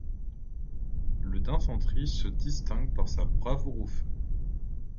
Le d'infanterie se distingue par sa bravoure au feu.